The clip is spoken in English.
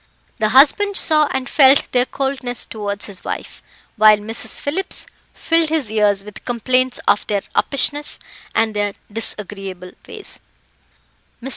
The husband saw and felt their coldness towards his wife, while Mrs. Phillips filled his ears with complaints of their uppishness, and their disagreeable ways. Mr.